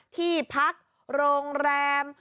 ที่พักโรงแรม